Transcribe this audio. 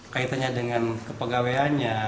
kaitannya dengan kepegawaiannya